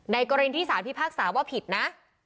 กรณีที่สารพิพากษาว่าผิดนะ